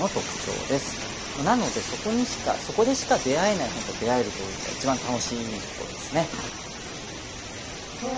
なのでそこでしか出会えない本と出会えるというのが一番楽しいところですね。